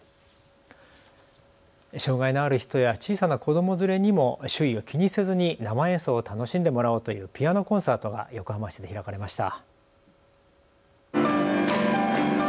障害のある人や小さな子ども連れにも周囲を気にせずに生演奏を楽しんでもらおうというピアノコンサートが横浜市で開かれました。